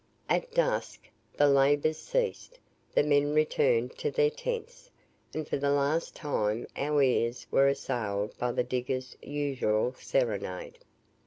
At dusk the labour ceased the men returned to their tents, and for the last time our ears were assailed by the diggers' usual serenade.